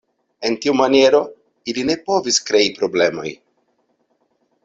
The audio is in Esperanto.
En tiu maniero, ili ne povis krei problemoj.